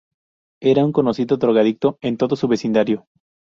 Era un conocido drogadicto en todo su vecindario.